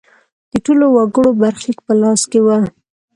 د ټولو وګړو برخلیک په لاس کې و.